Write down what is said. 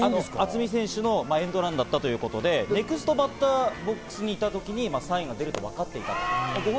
渥美選手のエンドランだったということで、ネクストバッターズサークルに行った時にサインが出て、わかっていた。